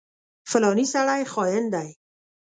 فلانی سړی خاين دی.